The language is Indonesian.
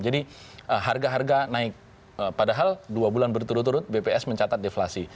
jadi harga harga naik padahal dua bulan berturut turut bps mencatat deflasi